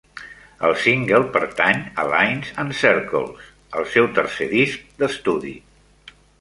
El single pertany a "Lines and circles", el seu tercer disc d'estudi.